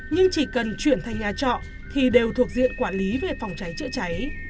nhưng chỉ cần chuyển thành nhà trọ thì đều thuộc diện quản lý về phòng cháy chữa cháy